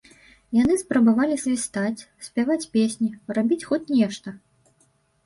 Яны спрабавалі свістаць, спяваць песні, рабіць хоць нешта.